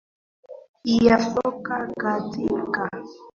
i ya soka katika klabu hiyo na hivyo atashirikiana na john henry